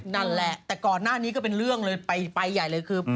นั่นแหละแต่ก่อนหน้านี้ก็เป็นเรื่องเลยไปใหญ่เลยคือ